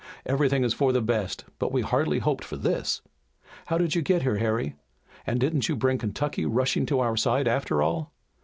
Everything is for the best, but we hardly hoped for this! How did you get here, Harry? And you didn't bring Kentucky rushing to our side, after all!